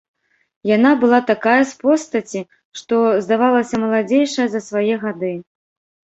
Яна была такая з постаці, што здавалася маладзейшая за свае гады.